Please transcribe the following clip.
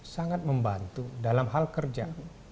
sangat membantu dalam hal kerja